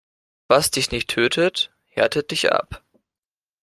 Was dich nicht tötet, härtet dich ab.